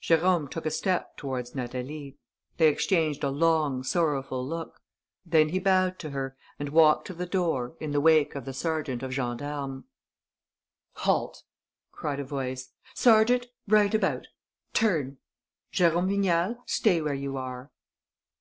Jérôme took a step towards Natalie. They exchanged a long, sorrowful look. Then he bowed to her and walked to the door, in the wake of the sergeant of gendarmes. "Halt!" cried a voice. "Sergeant, right about ... turn!... Jérôme Vignal, stay where you are!"